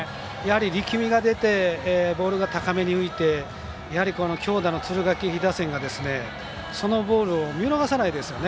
力みが出てボールが高めに浮いて強打の敦賀気比打線がそのボールを見逃さないですよね。